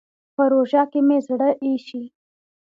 په روژه کې مې زړه اېشي.